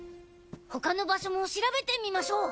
他の場所も調べてみましょう！